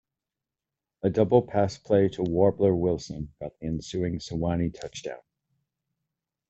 A double pass play to Warbler Wilson got the ensuing Sewanee touchdown.